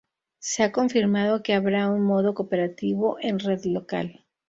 Se ha confirmado que habrá un modo cooperativo en red local.